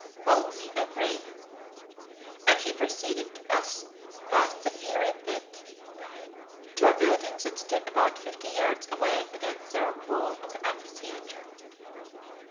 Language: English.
Follow me, I pray you"; and he preceded us past the fiery pit to a building that stood about fifty yards away against the rock wall of the amphitheatre.